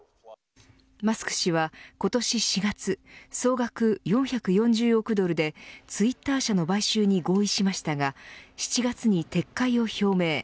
マスク氏は今年４月総額４４０億ドルでツイッター社の買収に合意しましたが７月に撤回を表明。